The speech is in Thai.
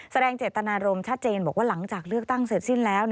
แสดงเจตนารมณ์ชัดเจนบอกว่าหลังจากเลือกตั้งเสร็จสิ้นแล้ว